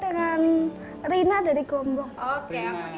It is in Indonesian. dengan rina dari gombong